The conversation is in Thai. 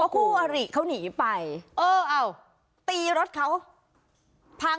พวกเขาหนีไปเออเอ้าตีรถเขา